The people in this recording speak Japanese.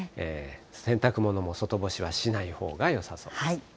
洗濯物も外干しはしないほうがよさそうです。